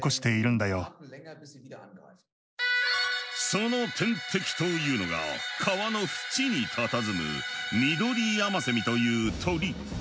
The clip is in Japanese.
その天敵というのが川のふちにたたずむミドリヤマセミという鳥。